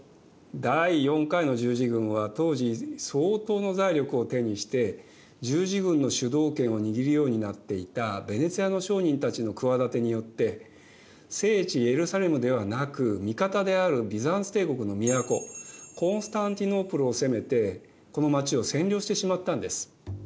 第４回の十字軍は当時相当の財力を手にして十字軍の主導権を握るようになっていたヴェネツィアの商人たちの企てによって聖地エルサレムではなく味方であるビザンツ帝国の都コンスタンティノープルを攻めてこの街を占領してしまったんです。